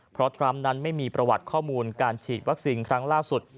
เพราะทรัมป์นั้นไม่มีประวัติข้อมูลการฉีดวัคซีนครั้งล่าสุด